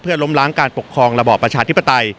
ล้มล้างการปกครองระบอบประชาธิปไตย